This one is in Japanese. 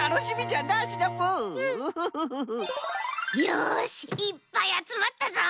よしいっぱいあつまったぞ！